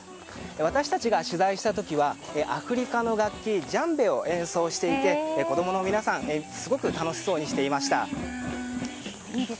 私たちが取材した時はアフリカの楽器ジャンベを演奏していて子供の皆さんはすごく楽しそうにしていました。